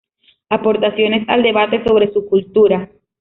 Aportaciones al debate sobre subcultura.